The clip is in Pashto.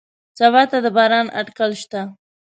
سبا ته د باران اټکل شته